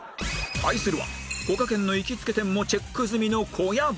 対するはこがけんの行きつけ店もチェック済みの小籔